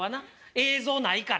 映像ないから。